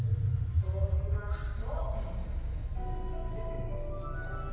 そうしますと。